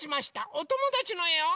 おともだちのえを。